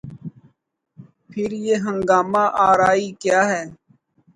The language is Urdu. پھر یہ ہنگامہ آرائی کیا ہے؟